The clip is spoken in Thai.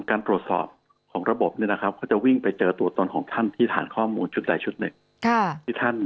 การตรวจสอบของระบบเนี่ยนะครับเขาจะวิ่งไปเจอตัวตนของท่านที่ฐานข้อมูลชุดใดชุดหนึ่ง